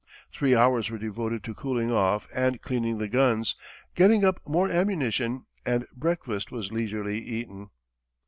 Three hours were devoted to cooling off and cleaning the guns, getting up more ammunition, and breakfast was leisurely eaten.